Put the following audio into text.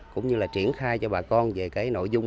cũng như là triển khai cho bà con về cái nội dung